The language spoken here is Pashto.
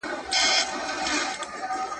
هرڅه هرڅه مو په یاد وو